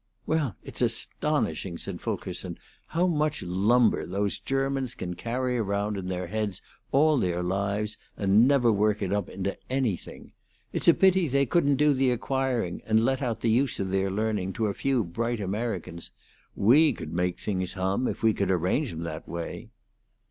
"Well, it's astonishing," said Fulkerson, "how much lumber those Germans can carry around in their heads all their lives, and never work it up into anything. It's a pity they couldn't do the acquiring, and let out the use of their learning to a few bright Americans. We could make things hum, if we could arrange 'em that way."